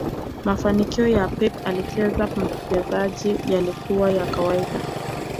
mafanikio ya Pep akiwa mchezaji yalikuwa ya kawaida